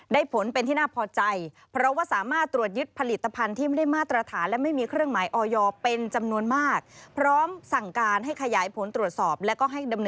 ให้บริการบอกว่าจะต้องไปตรวจสอบว่า